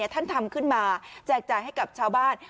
ท่านทำขึ้นมาแจกจ่ายให้กับชาวบ้าน